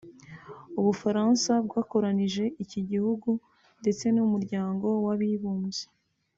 u Bufaransa bwakoronije iki gihugu ndetse n’Umuryango w’Abibumbye